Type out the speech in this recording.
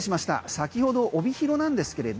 先ほど帯広なんですけれど